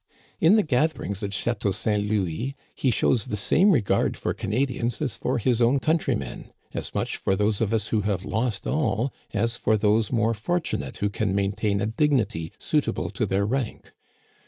In the gatherings at Chateaa St. Louis he shows the same re gard for Canadians as for his own countrymen, as much for those of us who have lost all as for those more for tunate who can maintain a dignity suitable to their rank.